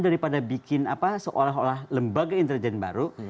daripada bikin apa seolah olah lembaga intelijen baru